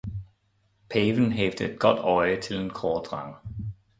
Paven havde et godt øje til en kordreng